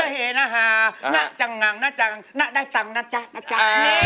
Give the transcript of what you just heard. แน่เหน่หาแนะนังแนะนังแนะไดังแนะจ๋า